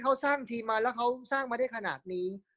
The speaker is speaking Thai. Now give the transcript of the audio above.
เขาสร้างทีมมาแล้วเขาสร้างมาได้ขนาดนี้